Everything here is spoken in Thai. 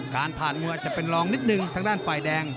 การผ่านมวยอาจจะเป็นรองนิดนึงทางด้านฝ่ายแดง